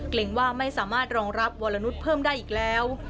ว่าไม่สามารถรองรับวรนุษย์เพิ่มได้อีกแล้ว